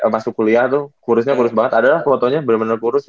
masuk kuliah tuh kurusnya kurus banget ada lah fotonya bener bener kurus